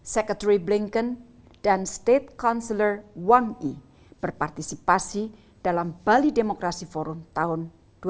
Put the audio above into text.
sekretari blinken dan state councilor wang yi berpartisipasi dalam bali demokrasi forum tahun dua ribu dua puluh satu